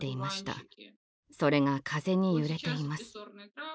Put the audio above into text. それが風に揺れています。